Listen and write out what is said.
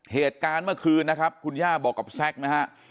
เหตุการณ์เมื่อคืนนะครับคุณย่าบอกกับแซคนะฮะ